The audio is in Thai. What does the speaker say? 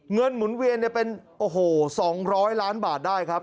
เงินหมุนเวียนเป็น๒๐๐ล้านบาทได้ครับ